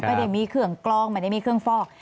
ไม่ได้มีเครื่องกลองไม่ได้มีเครื่องฟอก